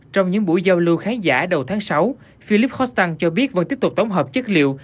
trong những buổi giao lưu khán giả đầu tháng sáu philip hostan cho biết vẫn tiếp tục tổng hợp chất liệu